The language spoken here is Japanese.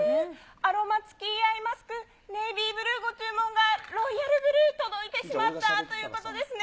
アロマつきアイマスク、ネイビーブルーご注文が、ロイヤルブルー、届いてしまったということですね。